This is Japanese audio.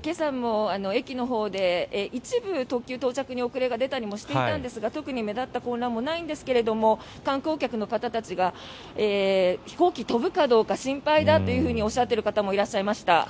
今朝も駅のほうで一部特急、到着に遅れも出ていたりしたんですが特に目立った混乱もないんですが観光客の方たちが飛行機が飛ぶかどうか心配だとおっしゃっている方もいらっしゃいました。